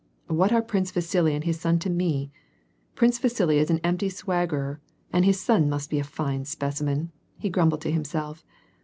" What are Prince Vasili and his son to me ? Prince Vasili is an empty swaggerer, and his son must l.e a fine s})eciiiien," he grumbled to himself.